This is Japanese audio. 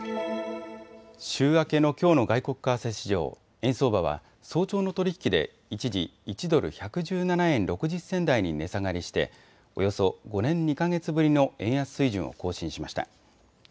週明けのきょうの外国為替市場、円相場は早朝の取り引きで一時、１ドル１１７円６０銭台に値下がりしておよそ５年２か月ぶりの円安水準を更新しました。